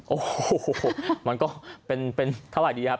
โอ้โหมันก็เป็นเท่าไหร่ดีครับ